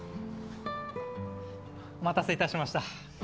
お待たせいたしました。